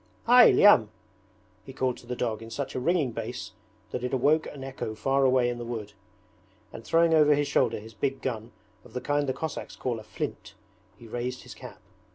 'Hy, Lyam!' he called to the dog in such a ringing bass that it awoke an echo far away in the wood; and throwing over his shoulder his big gun, of the kind the Cossacks call a 'flint', he raised his cap.